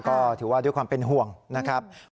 ก็ถือว่าด้วยความเป็นห่วงนะครับ